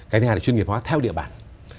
cái thứ hai là chuyên nghiệp hóa theo địa bàn